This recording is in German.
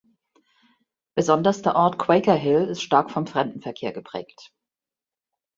Besonders der Ort Quaker Hill ist stark vom Fremdenverkehr geprägt.